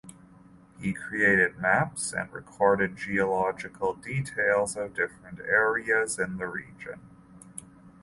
He created maps and recorded geological details of different areas in the region.